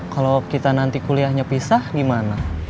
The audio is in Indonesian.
kalau kita nanti kuliahnya pisah gimana